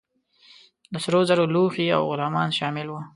د سرو زرو لوښي او غلامان شامل وه.